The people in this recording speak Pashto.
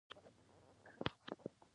لویه غمیزه رامنځته شوې ده.